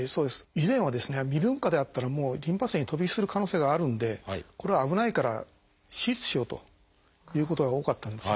以前はですね未分化であったらもうリンパ節へ飛び火する可能性があるんでこれは危ないから手術しようということが多かったんですね。